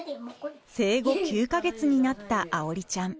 生後９か月になった愛織ちゃん。